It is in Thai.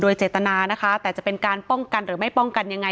โดยเจตนานะคะแต่จะเป็นการป้องกันหรือไม่ป้องกันยังไง